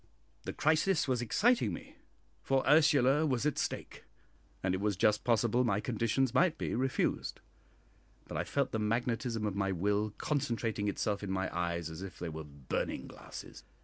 The crisis was exciting me, for Ursula was at stake, and it was just possible my conditions might be refused; but I felt the magnetism of my will concentrating itself in my eyes as if they were burning glasses.